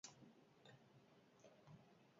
Erreportajean idazle eskolei buruz jardungo dira.